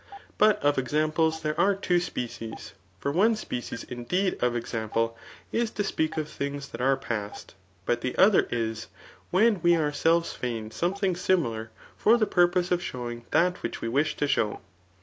But of examples there are two species ; for one spe cies indeed of example, is to speak of things that are past, but the other is, when we ourselves feign [[something simi lar for the purpose of showing that which we wish to show.